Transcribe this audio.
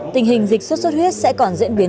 tình hình dịch suốt suốt huyết sẽ còn diễn biến